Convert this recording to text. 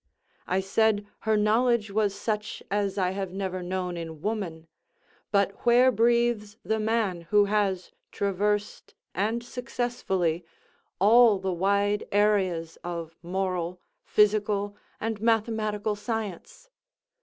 I said her knowledge was such as I have never known in woman—but where breathes the man who has traversed, and successfully, all the wide areas of moral, physical, and mathematical science?